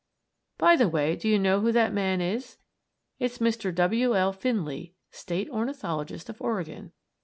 By the way, do you know who that man is? It's Mr. W. L. Finley, State Ornithologist of Oregon.